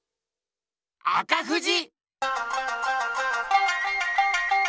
赤富士！